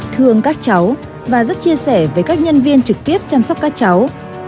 thương các cháu và rất chia sẻ với các nhân viên trực tiếp chăm sóc các cháu